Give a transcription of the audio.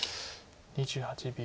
２８秒。